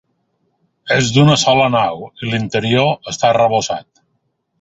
És d'una sola nau i l'interior està arrebossat.